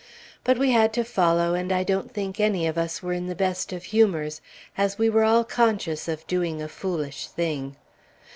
But we had to follow, and I don't think any of us were in the best of humors, as we were all conscious of doing a foolish thing.